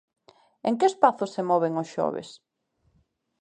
¿En que espazos se moven os xoves?